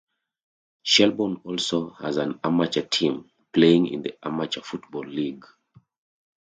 Shelbourne also has an amateur team playing in the Amateur Football League.